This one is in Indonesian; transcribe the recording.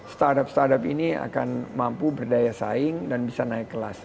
startup startup ini akan mampu berdaya saing dan bisa naik kelas